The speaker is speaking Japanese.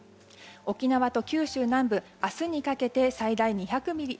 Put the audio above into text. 沖縄と九州南部明日にかけて最大２００ミリ。